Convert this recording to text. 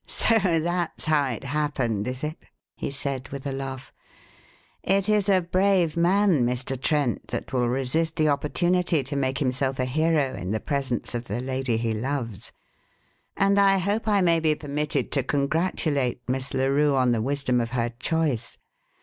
"So that's how it happened, is it?" he said, with a laugh. "It is a brave man, Mr. Trent, that will resist the opportunity to make himself a hero in the presence of the lady he loves; and I hope I may be permitted to congratulate Miss Larue on the wisdom of her choice.